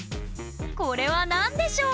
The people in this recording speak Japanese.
これは何でしょう？